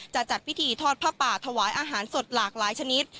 จัดพิธีทอดผ้าป่าถวายอาหารสดหลากหลายชนิด